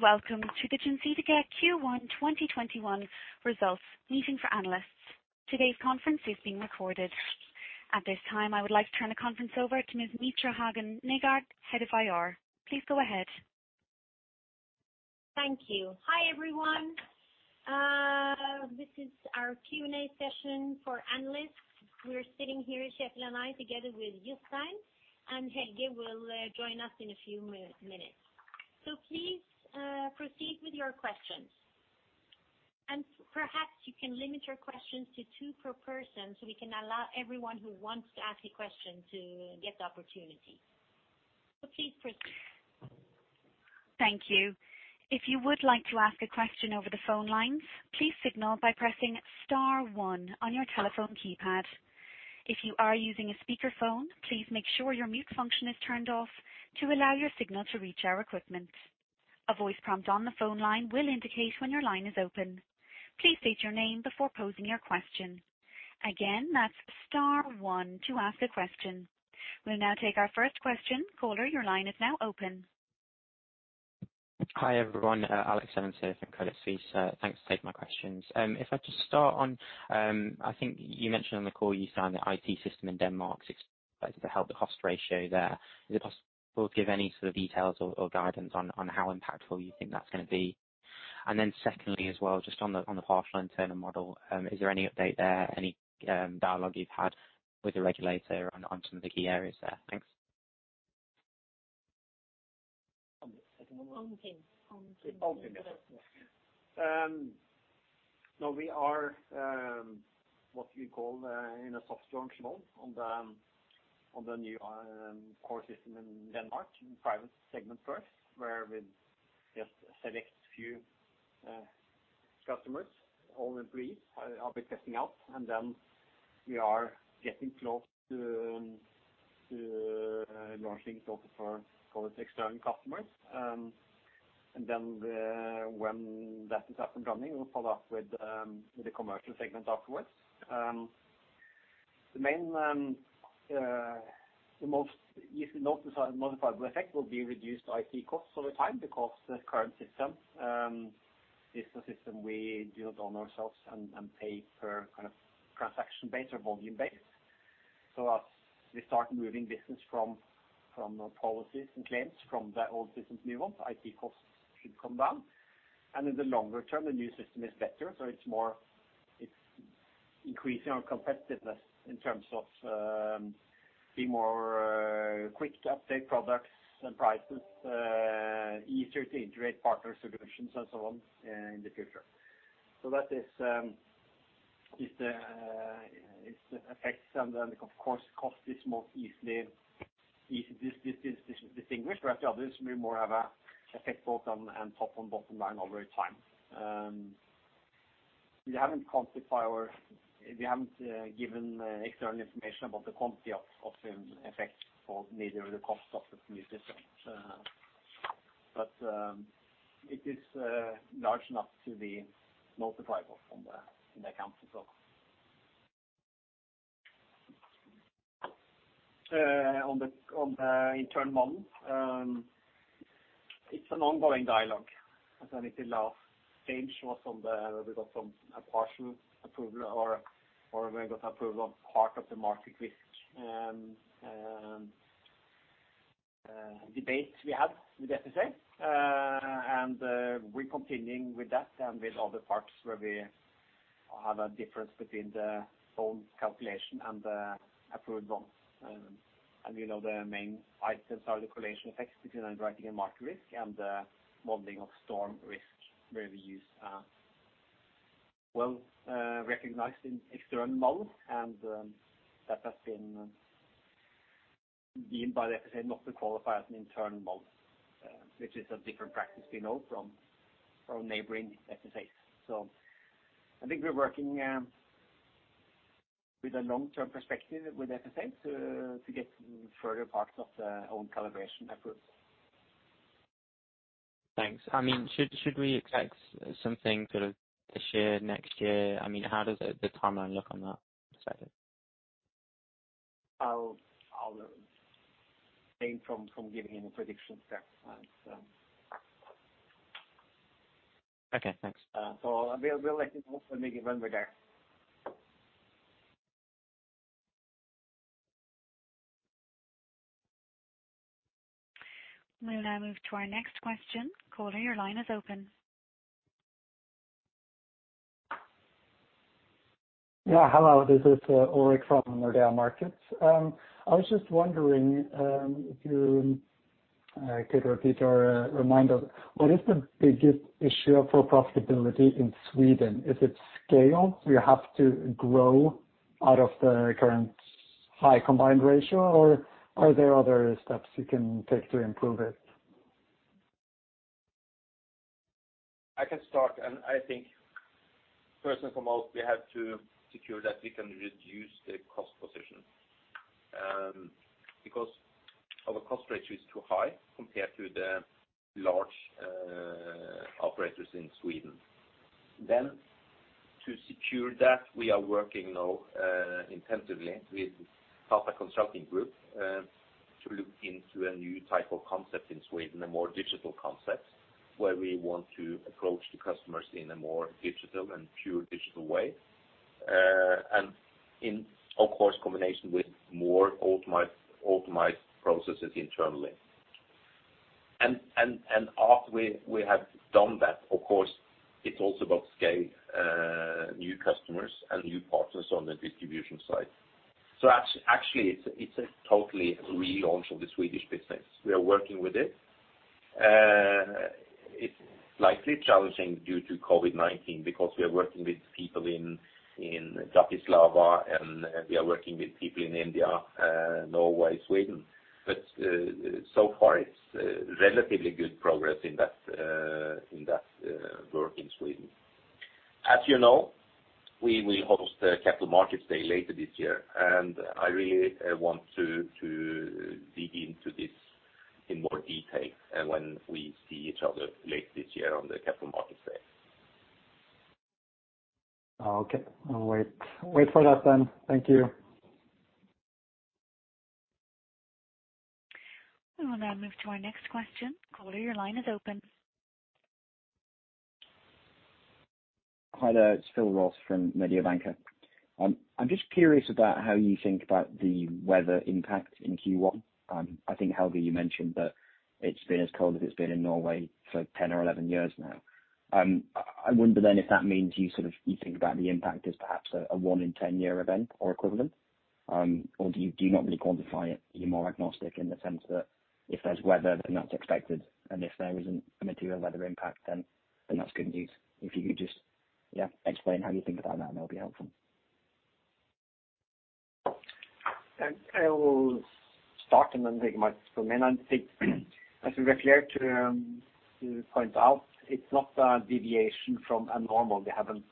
Welcome to the Gjensidige Forsikring Q1 2021 results meeting for analysts. Today's conference is being recorded. At this time, I would like to turn the conference over to Ms. Mitra Hagen Negård, Head of IR. Please go ahead. Thank you. Hi, everyone. This is our Q&A session for analysts. We're sitting here, [Flessum] and I, together with Jostein, and Helge will join us in a few minutes. So please proceed with your questions. And perhaps you can limit your questions to two per person so we can allow everyone who wants to ask a question to get the opportunity. So please proceed. Thank you. If you would like to ask a question over the phone lines, please signal by pressing star one on your telephone keypad. If you are using a speakerphone, please make sure your mute function is turned off to allow your signal to reach our equipment. A voice prompt on the phone line will indicate when your line is open. Please state your name before posing your question. Again, that's Star 1 to ask a question. We'll now take our first question. Caller, your line is now open. Hi, everyone. Alex Evans here from Credit Suisse. Thanks for taking my questions. If I just start on, I think you mentioned on the call you found that IT system in Denmark's expected to help the cost ratio there. Is it possible to give any sort of details or, or guidance on, on how impactful you think that's gonna be? And then secondly as well, just on the, on the partial internal model, is there any update there, any, dialogue you've had with the regulator on, on some of the key areas there? Thanks. No, we are, what do you call, in a soft launch mode on the, on the new core system in Denmark, private segment first, where we just select a few customers, all employees will be testing out. Then we are getting close to launching software for external customers. Then, when that is up and running, we'll follow up with the commercial segment afterwards. The main, the most easily noticeable effect will be reduced IT costs over time because the current system is a system we do not own ourselves and pay per kind of transaction-based or volume-based. So as we start moving business from policies and claims from the old business to new ones, IT costs should come down. And in the longer term, the new system is better. So it's increasing our competitiveness in terms of being more quick to update products and prices, easier to integrate partner solutions and so on, in the future. So that is the effect. And then, of course, cost is most easily distinguished, whereas the others may more have an effect both on top and bottom line over time. We haven't quantified or given external information about the quantity of effects for neither of the costs of the new system. But it is large enough to be notifiable on the account itself. On the internal model, it's an ongoing dialogue. As I need to allow change was on the, we got some partial approval or we got approval on part of the market risk debate we had with FSA. We're continuing with that and with other parts where we have a difference between the own calculation and the approved one. You know, the main items are the correlation effects between underwriting and market risk and modeling of storm risk where we use a well-recognized external model. That has been deemed by the FSA not to qualify as an internal model, which is a different practice we know from neighboring FSAs. So I think we're working with a long-term perspective with FSA to get further parts of the own calibration efforts. Thanks. I mean, should we expect something sort of this year, next year? I mean, how does the timeline look on that perspective? I'll abstain from giving any predictions there. Okay. Thanks. So, we'll let you know when we're there. We'll now move to our next question. Caller, your line is open. Yeah. Hello. This is Ulrik from Nordea Markets. I was just wondering if you could repeat or remind us what is the biggest issue for profitability in Sweden? Is it scale? Do you have to grow out of the current high combined ratio, or are there other steps you can take to improve it? I can start. I think, first and foremost, we have to secure that we can reduce the cost position, because our cost ratio is too high compared to the large operators in Sweden. Then to secure that, we are working now intensively with Tata Consulting Group to look into a new type of concept in Sweden, a more digital concept, where we want to approach the customers in a more digital and pure digital way, and in, of course, combination with more automatic processes internally. And after we have done that, of course, it's also about scale, new customers and new partners on the distribution side. So actually, it's a totally relaunch of the Swedish business. We are working with it. It's slightly challenging due to COVID-19 because we are working with people in Bratislava, and we are working with people in India, Norway, Sweden. But so far, it's relatively good progress in that work in Sweden. As you know, we will host the Capital Markets Day later this year, and I really want to dig into this in more detail when we see each other later this year on the Capital Markets Day. Okay. I'll wait. Wait for that then. Thank you. We will now move to our next question. Caller, your line is open. Hi there. It's Phil Ross from Mediobanca. I'm just curious about how you think about the weather impact in Q1. I think, Helge, you mentioned that it's been as cold as it's been in Norway for 10 or 11 years now. I wonder then if that means you sort of, you think about the impact as perhaps a, a one in 10-year event or equivalent, or do you, do you not really quantify it? You're more agnostic in the sense that if there's weather, then that's expected. And if there isn't a material weather impact, then, then that's good news. If you could just, yeah, explain how you think about that, that'll be helpful. I will start and then take my turn for a minute. I think, as we were clear to point out, it's not a deviation from normal. We haven't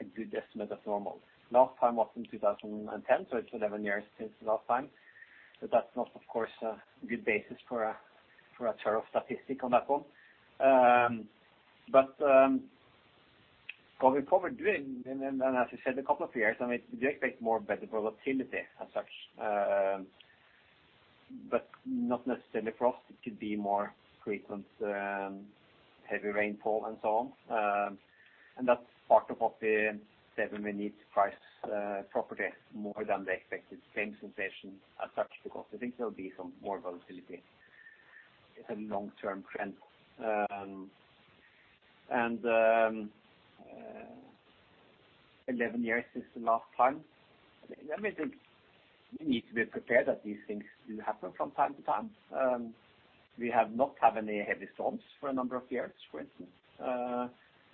a good estimate of normal. Last time was in 2010, so it's 11 years since last time. But that's not, of course, a good basis for a thorough statistic on that one, but going forward, and as you said, a couple of years, I mean, we do expect more weather volatility as such, but not necessarily frost. It could be more frequent heavy rainfall and so on, and that's part of what we said when we need price property more than the expected claims inflation as such because we think there'll be some more volatility as a long-term trend, and 11 years is the last time. I mean, I think we need to be prepared that these things do happen from time to time. We have not had any heavy storms for a number of years, for instance.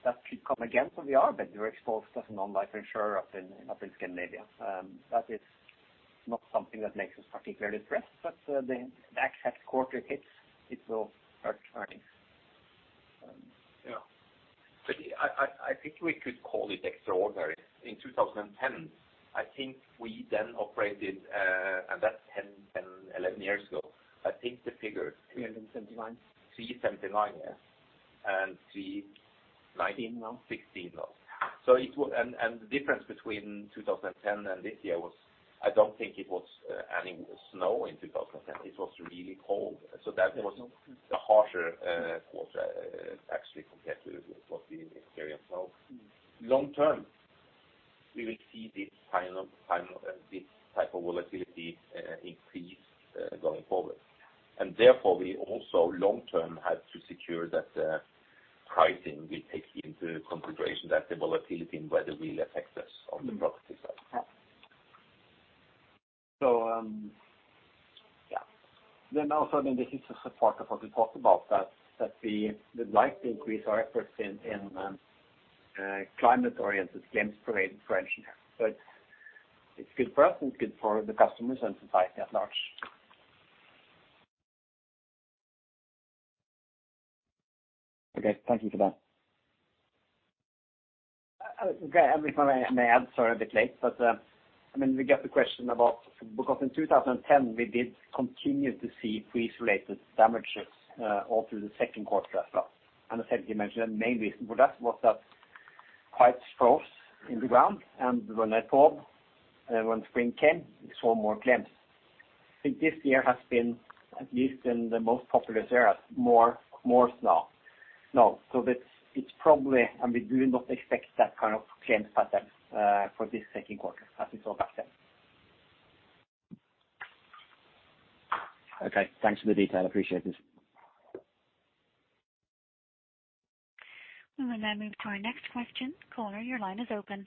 That could come again, so we are a bit more exposed as a non-life insurer up in Scandinavia. That is not something that makes us particularly depressed, but the exact quarter hits, it will hurt earnings. Yeah. But I think we could call it extraordinary. In 2010, I think we then operated, and that's 10, 11 years ago. I think the figure. 379. 379, yeah, and 319. 16 now. 2016 now. So it was, and the difference between 2010 and this year was, I don't think it was any snow in 2010. It was really cold. So that was a harsher quarter, actually, compared to what we experienced now. Long term, we will see this kind of this type of volatility increase going forward. And therefore, we also long term have to secure that the pricing will take into consideration that the volatility in weather will affect us on the property side. Yeah. So, yeah. Then also, I mean, this is a part of what we talked about, that we would like to increase our efforts in climate-oriented claims pricing. So it's good for us and it's good for the customers and society at large. Okay. Thank you for that. Okay. I'm sorry. I may answer a bit late, but, I mean, we got the question about because in 2010, we did continue to see freeze-related damages, all through the second quarter as well. And as Helge mentioned, the main reason for that was that ice froze in the ground. And when it thawed, when spring came, we saw more claims. I think this year has been at least in the most populous areas, more, more snow. Now, so that's, it's probably, and we do not expect that kind of claims pattern, for this second quarter as we saw back then. Okay. Thanks for the detail. Appreciate this. We will now move to our next question. Caller, your line is open.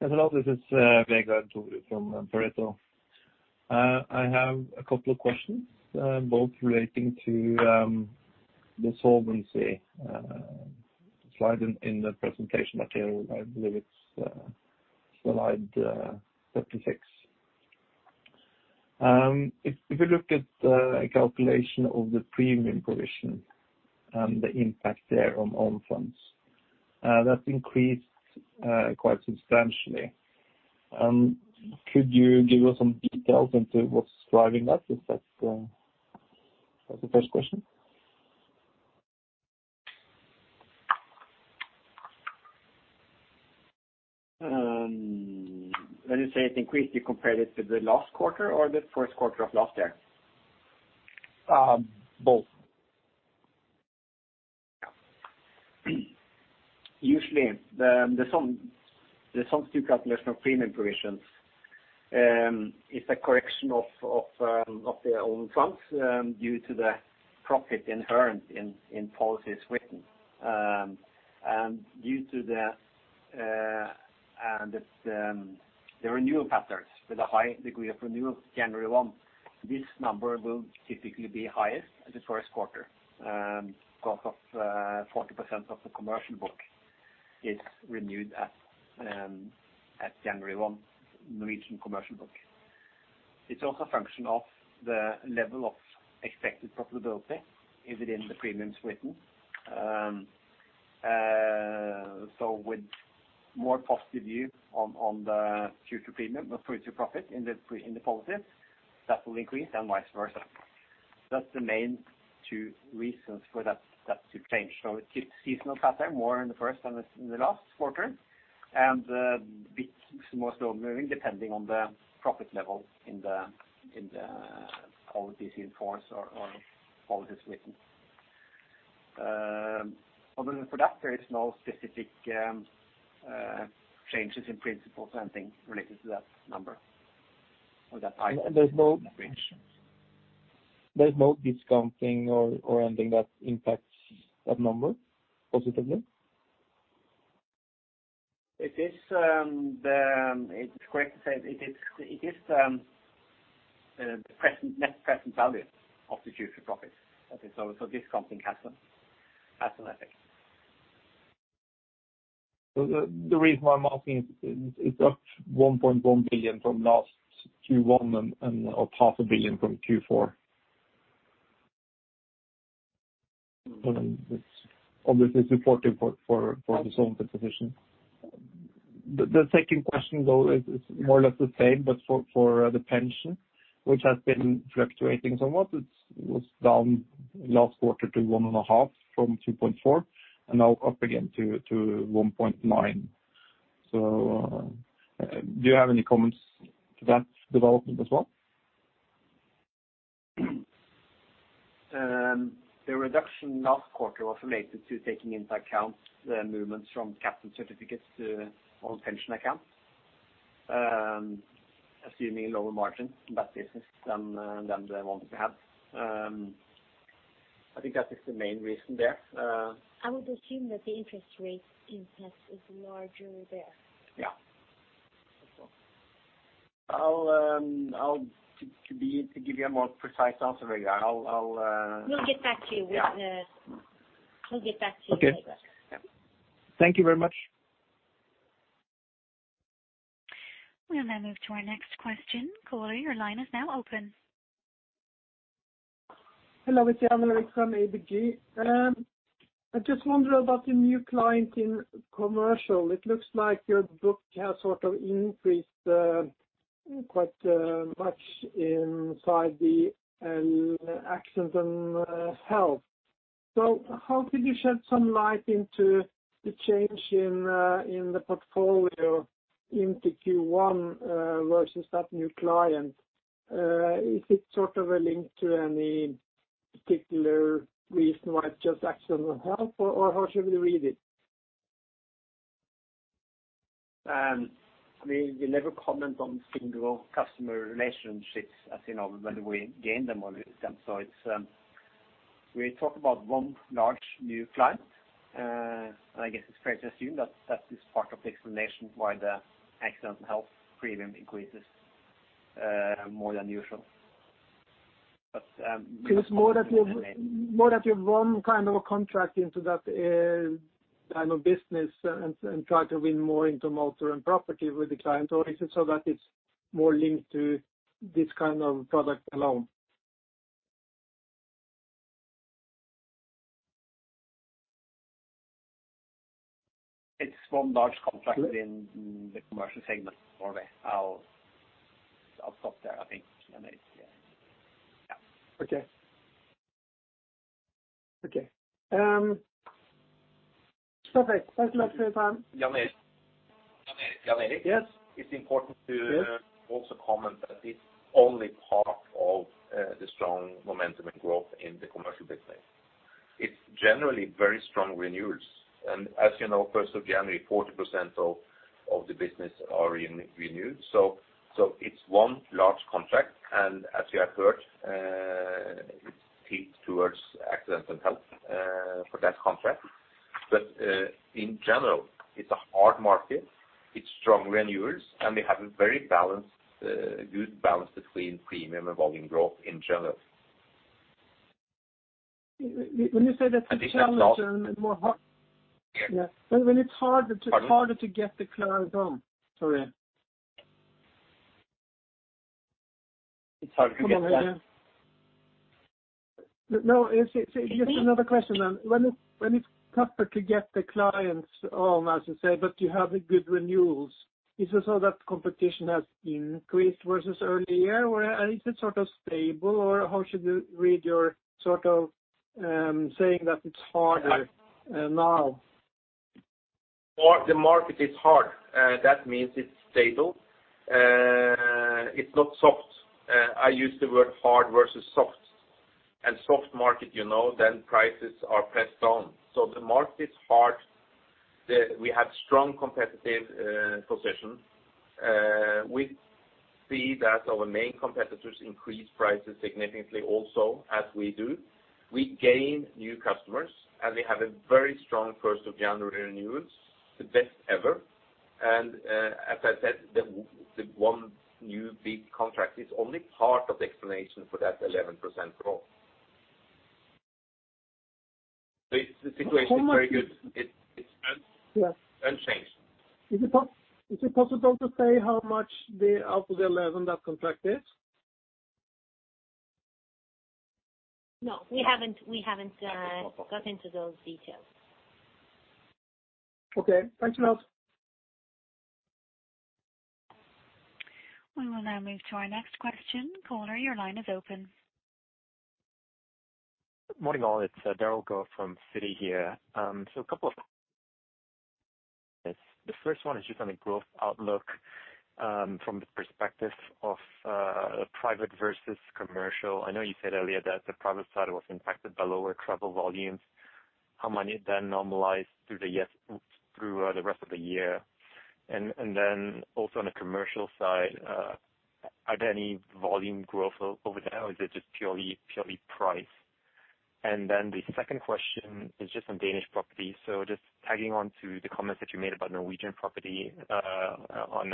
Yes, hello. This is Vegard from Pareto. I have a couple of questions, both relating to the solvency slide in the presentation material. I believe it's slide 36. If we look at a calculation of the premium provision and the impact thereon on funds, that's increased quite substantially. Could you give us some details into what's driving that? Is that, that's the first question? When you say it increased, you compared it to the last quarter or the first quarter of last year? both. Yeah. Usually, the calculation of premium provisions is a correction of the own funds, due to the profit inherent in policies written and due to the renewal patterns with a high degree of renewal January 1. This number will typically be highest in the first quarter, because 40% of the commercial book is renewed at January 1, Norwegian commercial book. It's also a function of the level of expected profitability within the premiums written, so with more positive view on the future premium or future profit in the premiums in the policies, that will increase and vice versa. That's the main two reasons for that to change. So it keeps seasonal pattern more in the first than in the last quarter and it's more slow-moving depending on the profit level in the policies in force or policies written. Other than for that, there is no specific changes in principles or anything related to that number or that high. There's no. That range. There's no discounting or anything that impacts that number positively? It's correct to say it is the net present value of the future profits. Okay. So discounting has an effect. The reason why I'm asking is that 1.1 billion from last Q1 and or 0.5 billion from Q4? Mm-hmm. It's obviously supportive for the solvency position. The second question, though, is more or less the same, but for the pension, which has been fluctuating somewhat. It was down last quarter to 1.5 from 2.4 and now up again to 1.9. Do you have any comments to that development as well? The reduction last quarter was related to taking into account the movements from capital certificates to all pension accounts, assuming lower margins, less business than, than the ones we had. I think that is the main reason there. I would assume that the interest rate impact is larger there. Yeah. That's all. I'll give you a more precise answer, Veg. We'll get back to you with, Yeah. We'll get back to you, Veg. Okay. Yeah. Thank you very much. We will now move to our next question. Caller, your line is now open. Hello. It's Jan Erik from ABG. I just wonder about the new client in commercial. It looks like your book has sort of increased quite much inside the accidents and health. So how could you shed some light into the change in the portfolio in Q1 versus that new client? Is it sort of a link to any particular reason why it's just accidents and health, or how should we read it? I mean, we never comment on single customer relationships as in, whether we gain them or lose them. So it's, we talk about one large new client, and I guess it's fair to assume that that is part of the explanation why the accident and health premium increases more than usual. But, we don't really. So it's more that you've run kind of a contract into that kind of business and tried to win more into motor and property with the client, or is it so that it's more linked to this kind of product alone? It's one large contract within the commercial segment, more or less. I'll, I'll stop there, I think. Jan Erik, yeah. Yeah. Okay. Okay. Perfect. Thanks for your time. Jan Erik? Jan Erik? Jan Erik? Jan Erik? Yes. It's important to. Yes. Also comment that it's only part of the strong momentum and growth in the commercial business. It's generally very strong renewals. And as you know, 1st of January, 40% of the business are renewed. So it's one large contract. And as you have heard, it's tipped towards accidents and health for that contract. But in general, it's a hard market. It's strong renewals. And we have a very balanced, good balance between premium and volume growth in general. When you say that it's challenging and more hard. Yeah. When it's harder to. Harder. Harder to get the clients on. Sorry. It's hard to get the clients. Hold on. No, it's. Yeah. Just another question then. When it's tougher to get the clients on, as you say, but you have the good renewals, is it so that competition has increased versus earlier? Or, is it sort of stable? Or how should we read your sort of, saying that it's harder, now? More, the market is hard. That means it's stable. It's not soft. I use the word hard versus soft. And soft market, you know, then prices are pressed down. So the market is hard. Then we have strong competitive position. We see that our main competitors increase prices significantly also, as we do. We gain new customers, and we have a very strong 1st of January renewals, the best ever. And, as I said, the one new big contract is only part of the explanation for that 11% growth. So the situation is very good. Common sense. It's un. Yeah. Unchanged. Is it possible to say how much the out of the 11 that contract is? No. We haven't. It's not possible. Got into those details. Okay. Thanks a lot. We will now move to our next question. Caller, your line is open. Good morning all. It's Daryl Goh from Citi here. So a couple of things. The first one is just on the growth outlook, from the perspective of private versus commercial. I know you said earlier that the private side was impacted by lower travel volumes. How might it then normalize through, yes, through the rest of the year? And then also on the commercial side, are there any volume growth over there? Or is it just purely price? And then the second question is just on Danish property. So just tagging onto the comments that you made about Norwegian property, on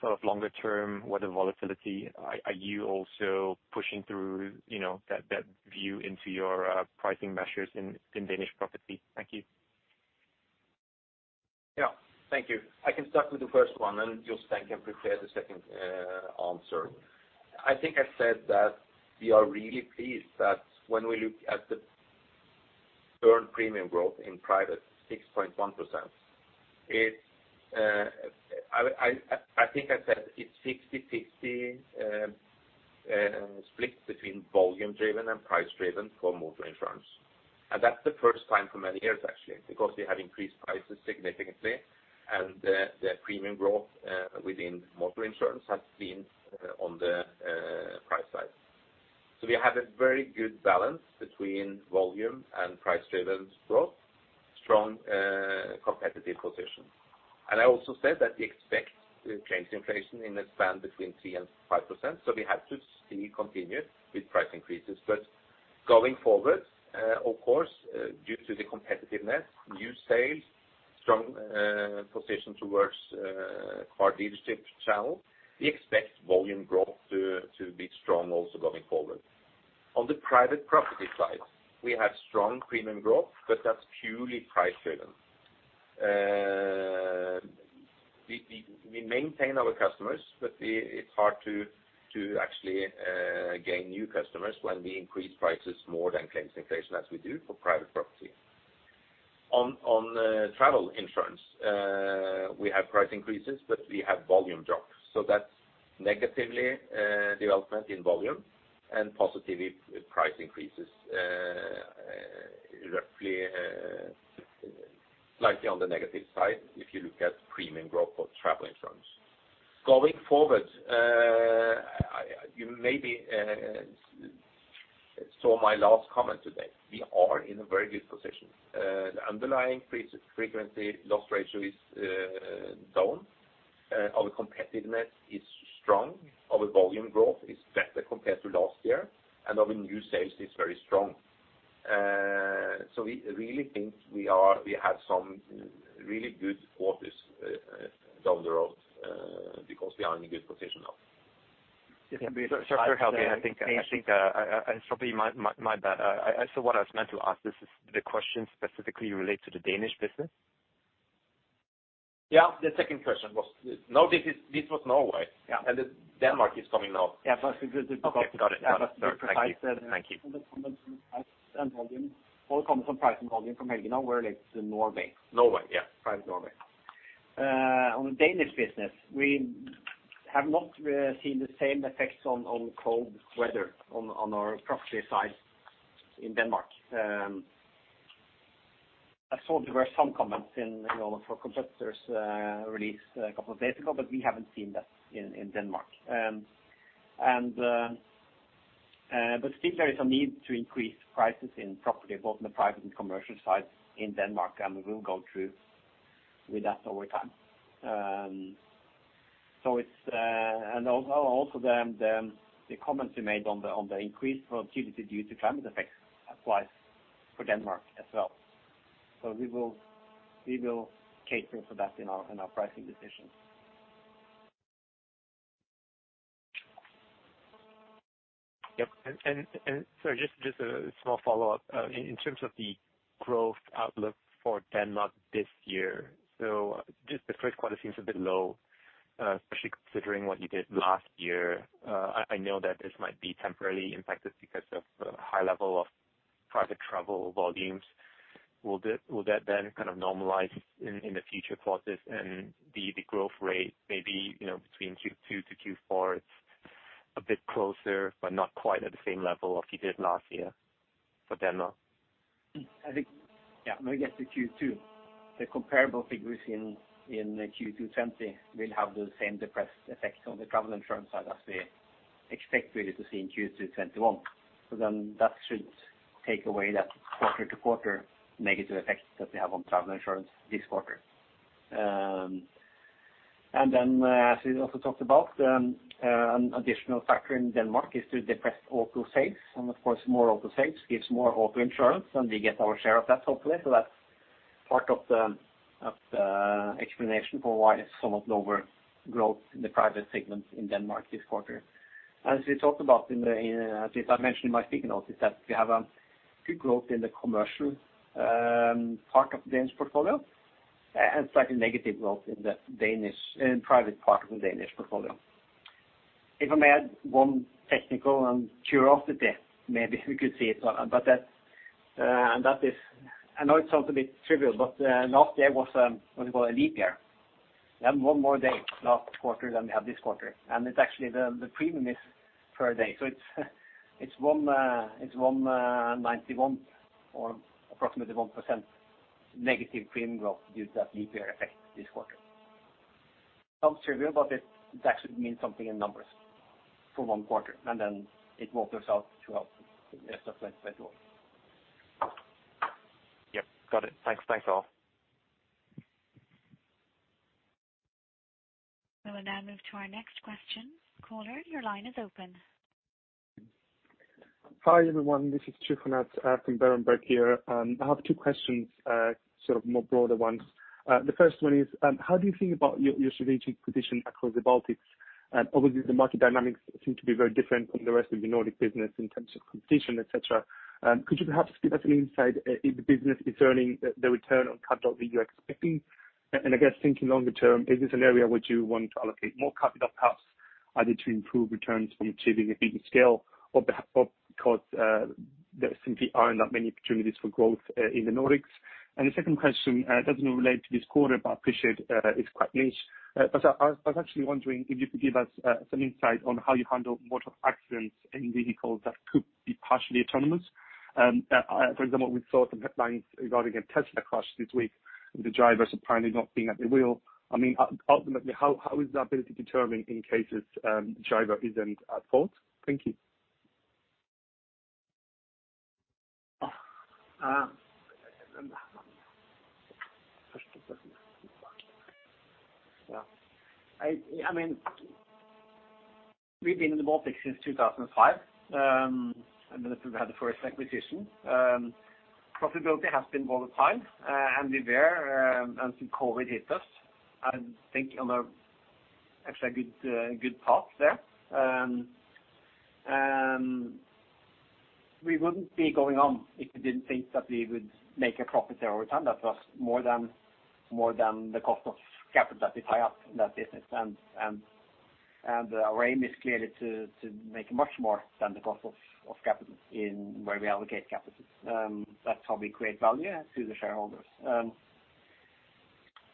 sort of longer term, what the volatility is, are you also pushing through, you know, that view into your pricing measures in Danish property? Thank you. Yeah. Thank you. I can start with the first one, and Jostein can prepare the second answer. I think I said that we are really pleased that when we look at the current premium growth in private, 6.1%, it. I think I said it's 60/60 split between volume-driven and price-driven for motor insurance. And that's the first time for many years, actually, because we have increased prices significantly. And the premium growth within motor insurance has been on the price side. So we have a very good balance between volume and price-driven growth, strong competitive position. And I also said that we expect the claims inflation in the span between 3% and 5%. So we have to see continued with price increases. But going forward, of course, due to the competitiveness, new sales, strong position towards car dealership channel, we expect volume growth to be strong also going forward. On the private property side, we have strong premium growth, but that's purely price-driven. We maintain our customers, but it's hard to actually gain new customers when we increase prices more than claims inflation as we do for private property. On travel insurance, we have price increases, but we have volume drop. So that's negative development in volume and positive price increases, roughly slightly on the negative side if you look at premium growth for travel insurance. Going forward, you maybe saw my last comment today. We are in a very good position. The underlying frequency loss ratio is down. Our competitiveness is strong. Our volume growth is better compared to last year. Our new sales is very strong. So we really think we have some really good quarters down the road, because we are in a good position now. Yeah. Sir, help me. I think it's probably my bad. So what I was meant to ask, this is the question specifically related to the Danish business? Yeah. The second question was no, this is this was Norway. Yeah. The Denmark is coming now. Yeah. That's because it. Okay. Got it. Got it. That's perfect. Thank you. The comments on price and volume, all the comments on price and volume from Helge now were related to Norway. Norway. Yeah. Private Norway. On the Danish business, we have not seen the same effects on cold weather on our property side in Denmark. I saw there were some comments in all of our competitors' releases a couple of days ago, but we haven't seen that in Denmark. But still, there is a need to increase prices in property, both on the private and commercial side in Denmark. And we will go through with that over time. So it's also the comments we made on the increased volatility due to climate effects applies for Denmark as well. So we will cater for that in our pricing decisions. Yep. And sorry, just a small follow-up. In terms of the growth outlook for Denmark this year, so just the first quarter seems a bit low, especially considering what you did last year. I know that this might be temporarily impacted because of the high level of private travel volumes. Will that then kind of normalize in the future quarters and the growth rate maybe, you know, between Q2 to Q4, it's a bit closer but not quite at the same level of you did last year for Denmark? I think, yeah, I'm going to guess the Q2. The comparable figures in, in Q2 2020 will have the same depressed effect on the travel insurance side as we expect to see in Q2 2021. So then that should take away that quarter-to-quarter negative effect that we have on travel insurance this quarter. And then, as we also talked about, an additional factor in Denmark is to depress auto sales. And of course, more auto sales gives more auto insurance, and we get our share of that, hopefully. So that's part of the, of the explanation for why it's somewhat lower growth in the private segment in Denmark this quarter. As we talked about in the, in, at least I mentioned in my speaking notes, is that we have a good growth in the commercial part of the Danish portfolio, and slightly negative growth in the Danish private part of the Danish portfolio. If I may add one technical curiosity, maybe we could see it, but that is, I know it sounds a bit trivial, but last year was what you call a leap year. We had one more day last quarter than we had this quarter. And it's actually the premium is per day. So it's 1.91% or approximately 1% negative premium growth due to that leap year effect this quarter. Sounds trivial, but it actually means something in numbers for one quarter. And then it wobbles out throughout the rest of 2021. Yep. Got it. Thanks. Thanks all. We will now move to our next question. Caller, your line is open. Hi, everyone. This is Tryfonas, from Berenberg here. I have two questions, sort of more broader ones. The first one is, how do you think about your strategic position across the Baltics? Obviously, the market dynamics seem to be very different from the rest of the Nordic business in terms of competition, etc. Could you perhaps give us an insight if the business is earning the return on capital that you're expecting? And I guess thinking longer term, is this an area where you want to allocate more capital perhaps either to improve returns from achieving a bigger scale or because there simply aren't that many opportunities for growth in the Nordics? The second question doesn't relate to this quarter, but I appreciate it's quite niche. But I was actually wondering if you could give us some insight on how you handle motor accidents in vehicles that could be partially autonomous. For example, we saw some headlines regarding a Tesla crash this week with the driver apparently not being at the wheel. I mean, ultimately, how is the liability determined in cases the driver isn't at fault? Thank you. Yeah. I mean, we've been in the Baltics since 2005. I mean, we had the first acquisition. Profitability has been volatile, and we were, until COVID hit us. I think on actually a good, good path there. We wouldn't be going on if we didn't think that we would make a profit there over time. That was more than, more than the cost of capital that we tie up in that business. And, and, and our aim is clearly to, to make much more than the cost of, of capital in where we allocate capital. That's how we create value to the shareholders.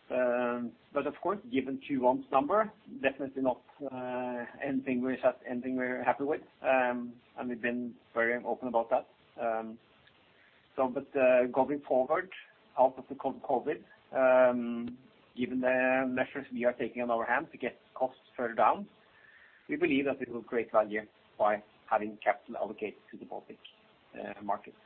But of course, given Q1's number, definitely not anything we're satisfied with, anything we're happy with. And we've been very open about that. Going forward out of the COVID, given the measures we are taking on our hands to get costs further down, we believe that we will create value by having capital allocated to the Baltics markets.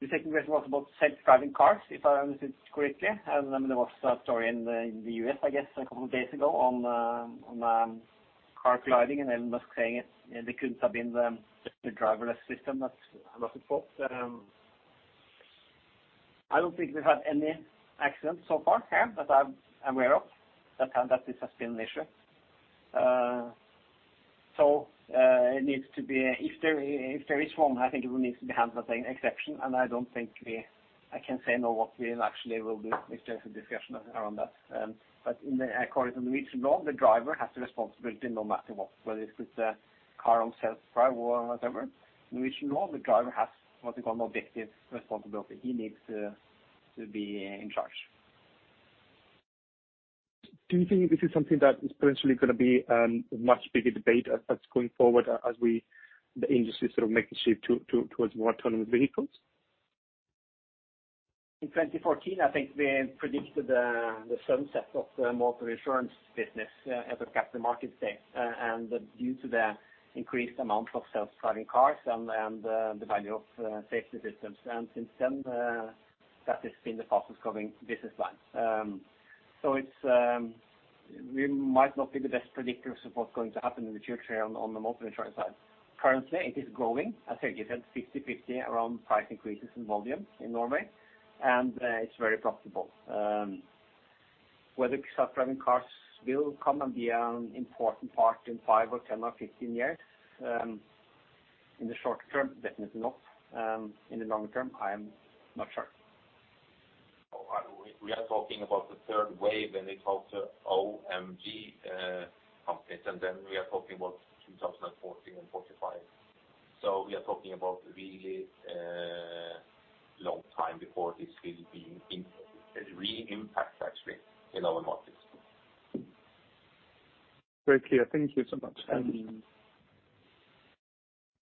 The second question was about self-driving cars, if I understood correctly. I mean, there was a story in the U.S., I guess, a couple of days ago on a car colliding and Elon Musk saying it, there couldn't have been the driverless system that was at fault. I don't think we've had any accidents so far here that I'm aware of that this has been an issue. It needs to be if there is one, I think it needs to be handled as an exception. I don't think I can say now what we actually will do if there's a discussion around that. But according to the Norwegian law, the driver has the responsibility no matter what, whether it's with the car on self-drive or whatever. Norwegian law, the driver has what you call an objective responsibility. He needs to be in charge. Do you think this is something that is potentially going to be a much bigger debate as going forward, as we the industry sort of makes a shift towards more autonomous vehicles? In 2014, I think we predicted the sunset of the motor insurance business as a Capital Markets Day, and due to the increased amount of self-driving cars and the value of safety systems, and since then, that has been the fastest-growing business line, so it's, we might not be the best predictors of what's going to happen in the future on the motor insurance side. Currently, it is growing. I think it's at 60/50 around price increases in volume in Norway, and it's very profitable. Whether self-driving cars will come and be an important part in five or 10 or 15 years, in the short term, definitely not. In the longer term, I'm not sure. Oh, we are talking about the third wave when it's also [OMG] companies. And then we are talking about 2014 and 2045. So we are talking about a really long time before this will begin to really impact actually in our markets. Very clear. Thank you so much.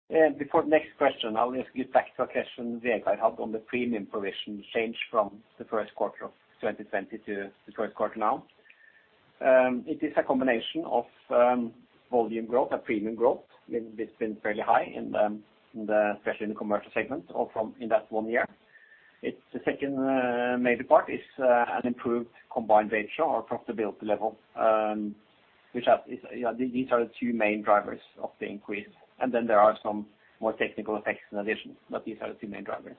Thanks. Yeah, before the next question, I'll just get back to a question Vegard had on the premium provision change from the first quarter of 2020 to the first quarter now. It is a combination of volume growth and premium growth. I mean, it's been fairly high in the, especially in the commercial segment over that one year. The second major part is an improved combined ratio or profitability level, which is, yeah, these are the two main drivers of the increase. Then there are some more technical effects in addition, but these are the two main drivers.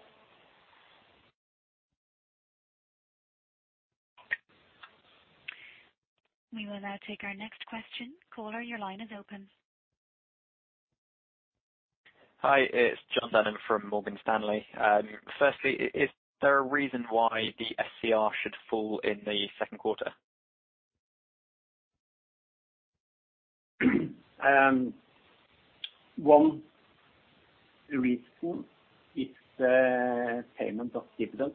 We will now take our next question. Caller, your line is open. Hi. It's Jon Denham from Morgan Stanley. Firstly, is there a reason why the SCR should fall in the second quarter? One reason is the payment of dividends,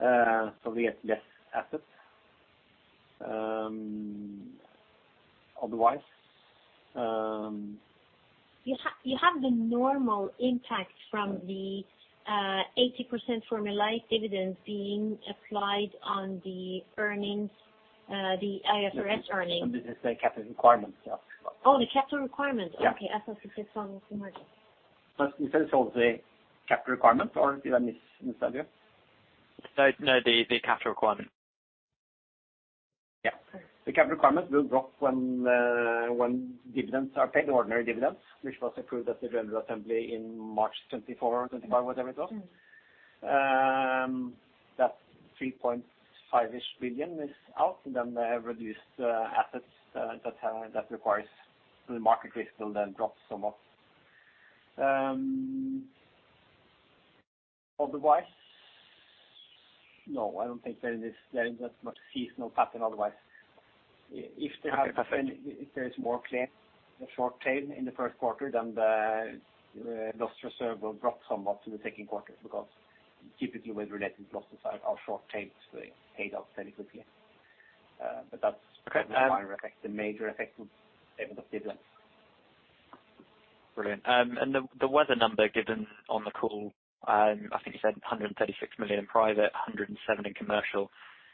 so we get less assets. Otherwise, You have the normal impact from the 80% formulaic dividend being applied on the earnings, the IFRS earnings. This is the capital requirements, yeah. Oh, the capital requirements. Yeah. Okay. I thought you said. But you said it's all the capital requirements, or did I misunderstand you? No, no, the capital requirements. Yeah. The capital requirements will drop when dividends are paid, ordinary dividends, which was approved at the General Assembly in March 2024 or 2025, whatever it was. That 3.5-ish billion is out. Then the reduced assets that requires the market risk will then drop somewhat. Otherwise, no, I don't think there is, there isn't much seasonal pattern otherwise. If there has. Okay. Perfect. If there is more clear short tail in the first quarter, then the loss reserve will drop somewhat in the second quarter because typically weather-related losses are short tails being paid out fairly quickly. But that's. Okay. The primary effect, the major effect would payment of dividends. Brilliant. And the weather number given on the call, I think you said 136 million in private, 107 million in commercial.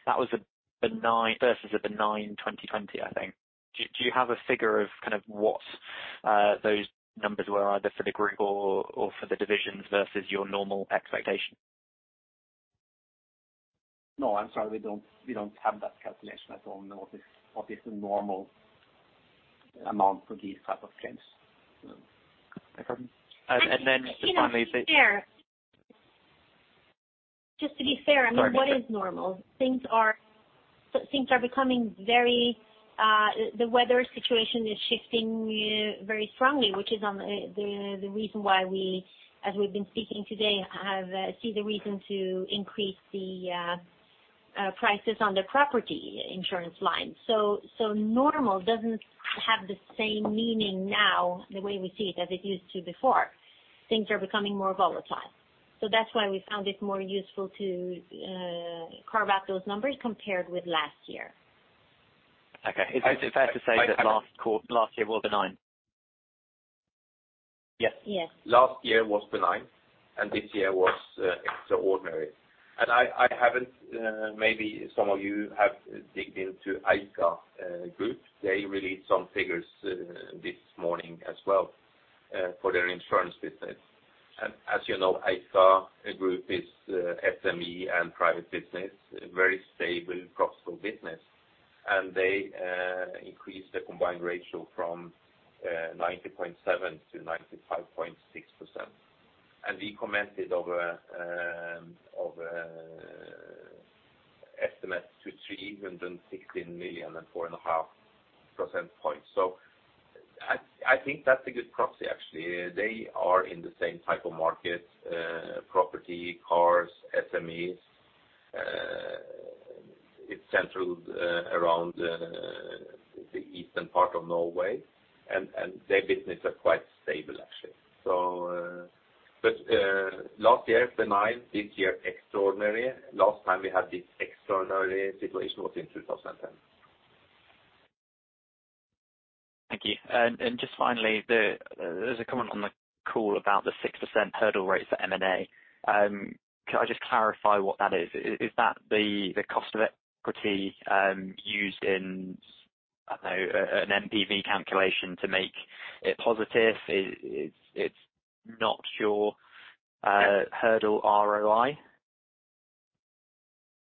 That was a benign versus a benign 2020, I think. Do you have a figure of kind of what those numbers were either for the group or for the divisions versus your normal expectation? No, I'm sorry. We don't have that calculation. I don't know what is the normal amount for these type of claims. Okay, and then just finally. Just to be fair. Just to be fair, I mean. Sorry. What is normal? Things are becoming very, the weather situation is shifting very strongly, which is the reason why we, as we've been speaking today, see the reason to increase the prices on the property insurance line. So normal doesn't have the same meaning now the way we see it as it used to before. Things are becoming more volatile. So that's why we found it more useful to carve out those numbers compared with last year. Okay. Is that to say that last year was benign? Yes. Yes. Last year was benign, and this year was extraordinary. And I haven't, maybe some of you have dug into Eika Gruppen. They released some figures this morning as well for their insurance business. And as you know, Eika Gruppen is SME and private business, a very stable profitable business. And they increased the combined ratio from 90.7%-95.6%. And we commented over estimates to 316 million and 4.5 percentage points. So I think that's a good proxy actually. They are in the same type of market, property, cars, SMEs. It's central around the eastern part of Norway. And their business are quite stable actually. But last year benign, this year extraordinary. Last time we had this extraordinary situation was in 2010. Thank you. And just finally, there's a comment on the call about the 6% hurdle rate for M&A. Can I just clarify what that is? Is that the cost of equity used in, I don't know, an NPV calculation to make it positive? Is it not your hurdle ROI?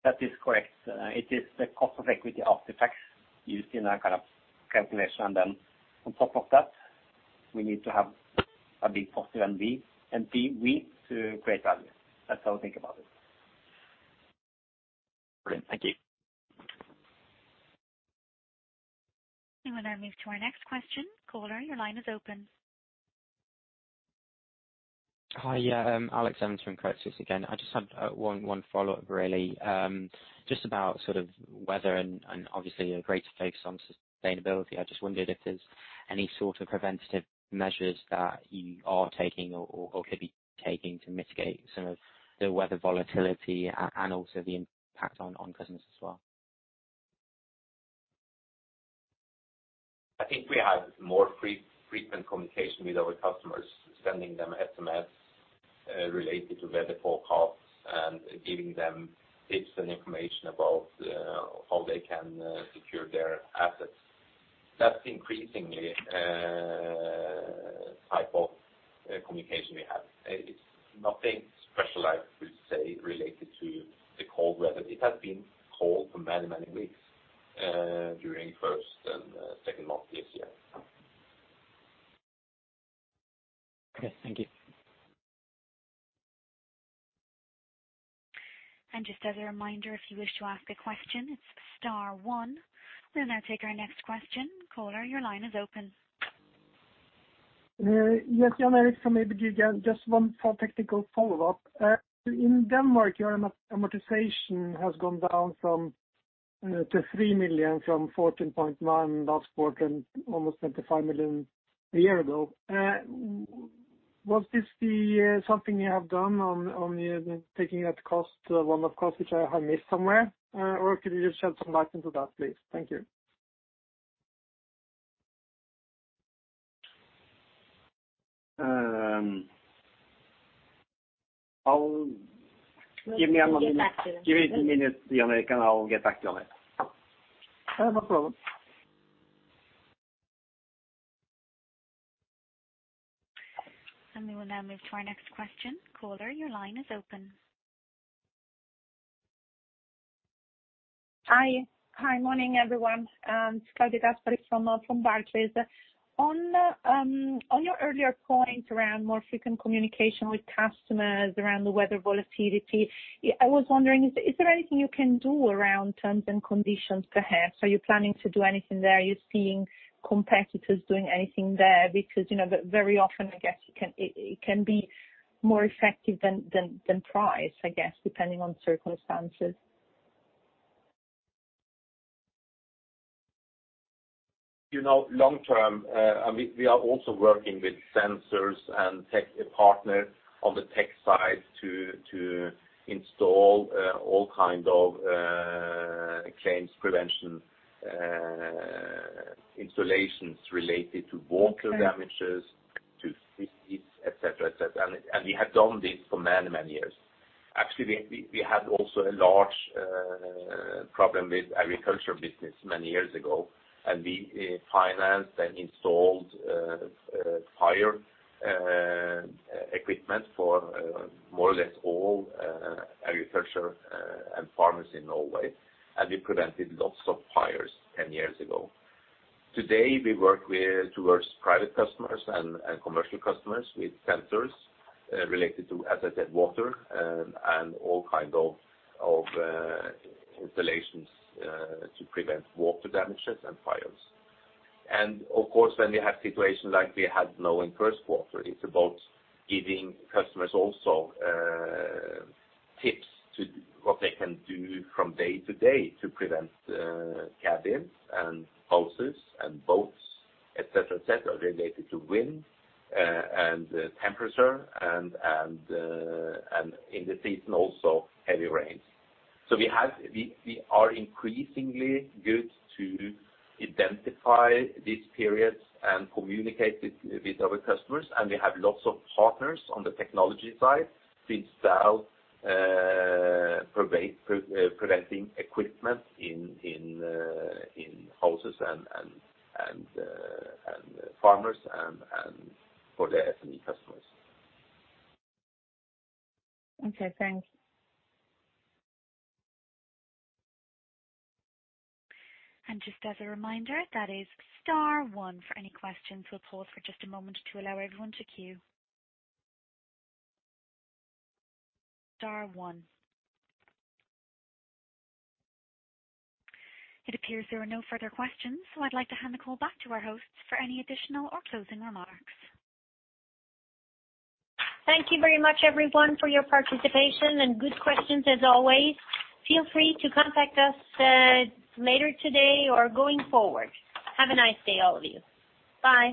That is correct. It is the cost of equity after tax used in that kind of calculation. And then on top of that, we need to have a big positive NPV to create value. That's how I think about it. Brilliant. Thank you. We will now move to our next question. Caller, your line is open. Hi, yeah. Alex Evans from Credit Suisse again. I just had one follow-up really, just about sort of weather and obviously a greater focus on sustainability. I just wondered if there's any sort of preventative measures that you are taking or could be taking to mitigate some of the weather volatility and also the impact on claims as well. I think we have more frequent communication with our customers, sending them SMS, related to weather forecasts and giving them tips and information about how they can secure their assets. That's increasingly type of communication we have. It's nothing special, I would say, related to the cold weather. It has been cold for many, many weeks, during first and second month this year. Okay. Thank you. Just as a reminder, if you wish to ask a question, it's star one. We will now take our next question. Caller, your line is open. Yes, Jan Erik, just one for technical follow-up. In Denmark, your amortization has gone down from NOK 14.1 million last quarter to 3 million, and almost 25 million a year ago. Was this something you have done on taking out the cost, the one-off cost, which I missed somewhere? Or could you just shed some light into that, please? Thank you. I'll give you a moment. Give me a sec, Jan. Give me two minutes, Jan, and I'll get back to you on it. no problem. We will now move to our next question. Caller, your line is open. Hi. Hi, morning everyone. This is Claudia Gaspari from Barclays. On your earlier point around more frequent communication with customers around the weather volatility, I was wondering, is there anything you can do around terms and conditions perhaps? Are you planning to do anything there? Are you seeing competitors doing anything there? Because, you know, very often, I guess, it can be more effective than price, I guess, depending on circumstances. You know, long term, I mean, we are also working with sensors and tech partners on the tech side to install all kind of claims prevention installations related to water damages. Mm-hmm. To these, etc., etc., and we have done this for many, many years. Actually, we had also a large problem with agriculture business many years ago, and we financed and installed fire equipment for more or less all agriculture and farmers in Norway, and we prevented lots of fires 10 years ago. Today, we work towards private customers and commercial customers with sensors related to, as I said, water and all kind of installations to prevent water damages and fires, and of course, when we have situation like we had now in first quarter, it's about giving customers also tips to what they can do from day to day to prevent cabins and houses and boats, etc., related to wind, temperature and in the season also heavy rains. We are increasingly good at identifying these periods and communicating with our customers. We have lots of partners on the technology side to install preventive equipment in houses and for farmers and for the SME customers. Okay. Thanks. And just as a reminder, that is star one for any questions. We'll pause for just a moment to allow everyone to queue. Star one. It appears there are no further questions, so I'd like to hand the call back to our hosts for any additional or closing remarks. Thank you very much, everyone, for your participation and good questions as always. Feel free to contact us, later today or going forward. Have a nice day, all of you. Bye.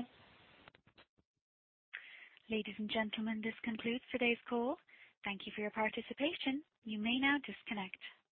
Ladies and gentlemen, this concludes today's call. Thank you for your participation. You may now disconnect.